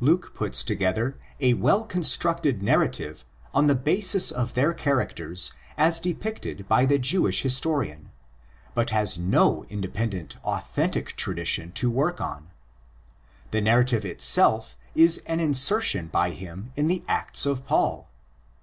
Luke puts together a well constructed narrative on the basis of their characters as depicted by the Jewish historian, but has no mdependent authentic tradition to work on. The narrative itself is an insertion by him in the Acts of Paul.